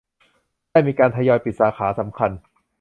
ได้มีการทยอยปิดสาขาสำคัญ